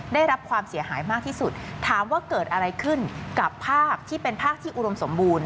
ได้รับความเสียหายมากที่สุดถามว่าเกิดอะไรขึ้นกับภาคที่เป็นภาคที่อุดมสมบูรณ